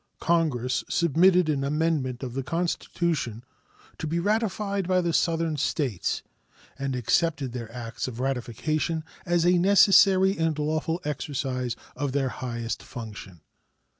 Congress submitted an amendment of the Constitution to be ratified by the Southern States, and accepted their acts of ratification as a necessary and lawful exercise of their highest function.